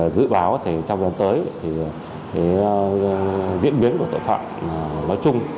dự báo trong lần tới diễn biến của tội phạm nói chung